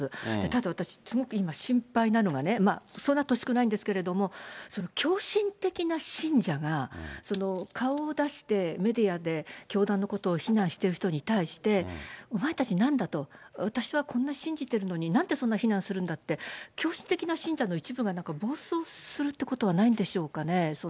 ただ私、すごく今、心配なのがね、そうなってほしくないんですけど、狂信的な信者が、顔を出してメディアで教団のことを非難している人に対して、お前たちなんだと、私はこんな信じてるのに、なんでそんな非難するんだって、狂信的な信者の一部が暴走するってことはないんでしょうかね。